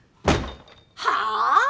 はあ？